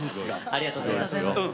ありがとうございます。